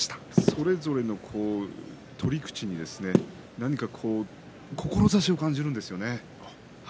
それぞれの取り口に何か志を感じます。